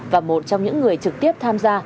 và một trong những người trực tiếp tham gia